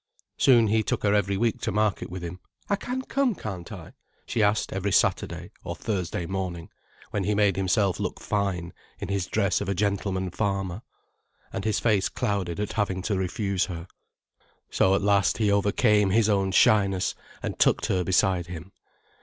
Soon he took her every week to market with him. "I can come, can't I?" she asked every Saturday, or Thursday morning, when he made himself look fine in his dress of a gentleman farmer. And his face clouded at having to refuse her. So at last, he overcame his own shyness, and tucked her beside him.